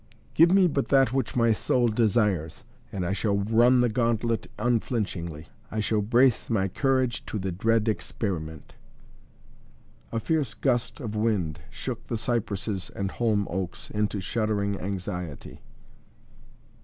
"Give me but that which my soul desires and I shall run the gauntlet unflinchingly. I shall brace my courage to the dread experiment." A fierce gust of wind shook the cypresses and holm oaks into shuddering anxiety.